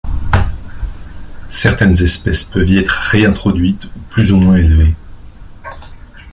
Certaines espèces peuvent y être réintroduites ou plus ou moins élevées.